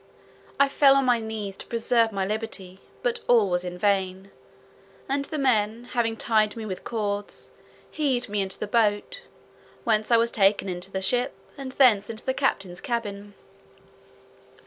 I fell on my knees to preserve my liberty; but all was in vain; and the men, having tied me with cords, heaved me into the boat, whence I was taken into the ship, and thence into the captain's cabin.